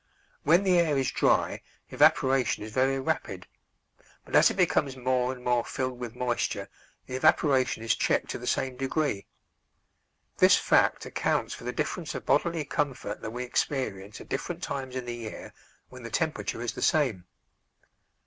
When the air is dry evaporation is very rapid, but as it becomes more and more filled with moisture the evaporation is checked to the same degree. This fact accounts for the difference of bodily comfort that we experience at different times in the year when the temperature is the same.